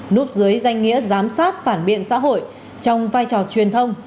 núp dưới danh nghĩa giám sát phản biện xã hội trong vai trò truyền thông